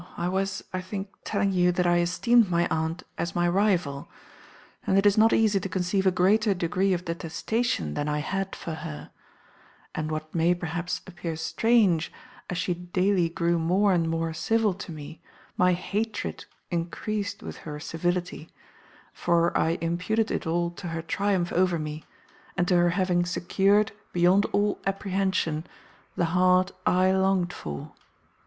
I was, I think, telling you that I esteemed my aunt as my rival; and it is not easy to conceive a greater degree of detestation than I had for her; and what may, perhaps, appear strange, as she daily grew more and more civil to me, my hatred encreased with her civility; for I imputed it all to her triumph over me, and to her having secured, beyond all apprehension, the heart I longed for.